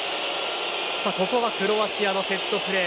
ここはクロアチアのセットプレー。